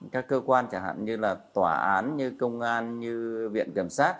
các cơ quan chẳng hạn như là tòa án như công an như viện kiểm sát